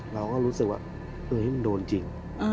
เราก็รู้สึกว่ามันโดนจริง